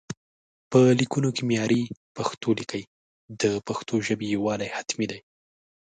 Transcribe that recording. په ليکونو کې معياري پښتو ليکئ، د پښتو ژبې يووالي حتمي دی